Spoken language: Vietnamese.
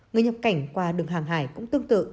người nhập cảnh qua đường hàng hải cũng tương tự